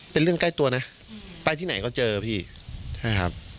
เป็นเรื่องใกล้ตัวนะไปที่ไหนก็เจอพี่นะครับ